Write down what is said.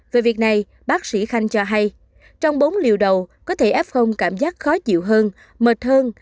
về việc này bác sĩ khanh cho hay trong bốn liều đầu có thể f cảm giác khó chịu hơn mệt hơn